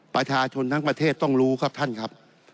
ประชาชนทั้งประเทศต้องรู้ครับท่านครับ